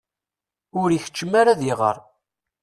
Ur ikeččem ara ad iɣer.